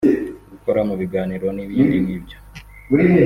gukora mu ibagiro n’ibindi nk’ibyo